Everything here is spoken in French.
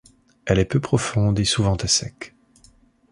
Elle est peu profonde et souvent à sec.